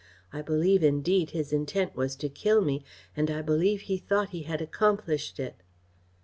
I believe, indeed, his intent was to kill me, and I believe he thought he had accomplished it.